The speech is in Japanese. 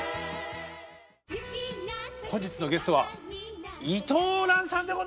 本日のゲストは伊藤蘭さんでございます。